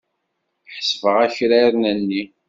Ḥesbeɣ akraren-nni.